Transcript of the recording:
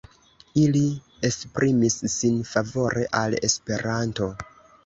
Ili esprimis sin favore al Esperanto.